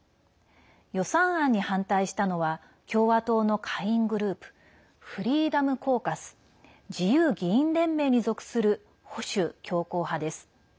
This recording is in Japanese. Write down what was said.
予算案に反対したのは共和党の下院グループフリーダム・コーカス＝自由議員連盟に属する保守強硬派です。